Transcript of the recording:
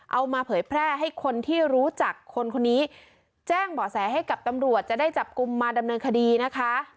มาเผยแพร่ให้คนที่รู้จักคนคนนี้แจ้งเบาะแสให้กับตำรวจจะได้จับกลุ่มมาดำเนินคดีนะคะ